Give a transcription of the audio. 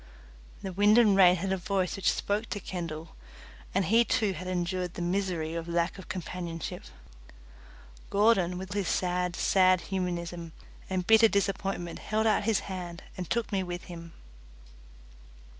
The wind and rain had a voice which spoke to Kendall, and he too had endured the misery of lack of companionship. Gordon, with his sad, sad humanism and bitter disappointment, held out his hand and took me with him.